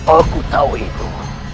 aku tahu itu